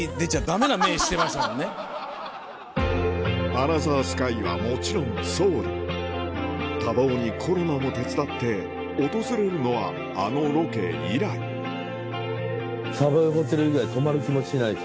アナザースカイはもちろんソウル多忙にコロナも手伝って訪れるのはあのロケ以来サボイホテル以外泊まる気もしないし。